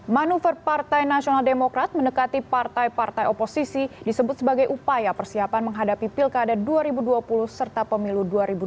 manuver partai nasional demokrat mendekati partai partai oposisi disebut sebagai upaya persiapan menghadapi pilkada dua ribu dua puluh serta pemilu dua ribu dua puluh